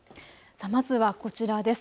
まずはこちらです。